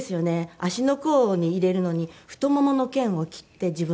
足の甲に入れるのに太ももの腱を切って自分の。